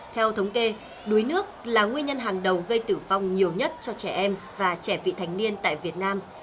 theo thống kê đuối nước là nguyên nhân hàng đầu gây tử vong nhiều nhất cho trẻ em và trẻ vị thành niên tại việt nam